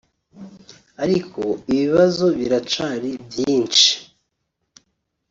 Ariko ibibazo biracari vyinshi